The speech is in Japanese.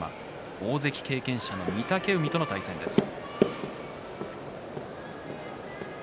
大関経験者の御嶽海との対戦です。